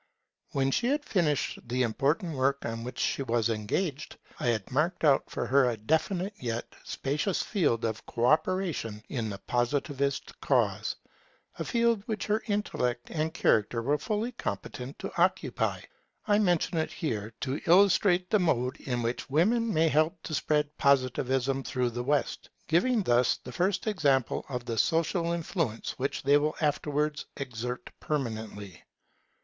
When she had finished the important work on which she was engaged, I had marked out for her a definite yet spacious field of co operation in the Positivist cause: a field which her intellect and character were fully competent to occupy. I mention it here, to illustrate the mode in which women may help to spread Positivism through the West; giving thus the first example of the social influence which they will afterwards exert permanently.